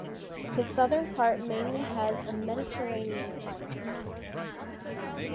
The southern part mainly has a Mediterranean climate.